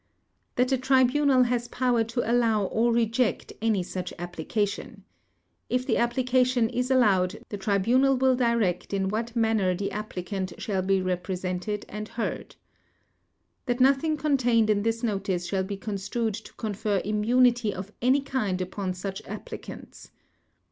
THAT the Tribunal has power to allow or reject any such application. If the application is allowed, the Tribunal will direct in what manner the applicant shall be represented and heard. THAT nothing contained in this notice shall be construed to confer immunity of any kind upon such applicants.